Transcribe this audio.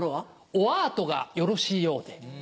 おアトがよろしいようで。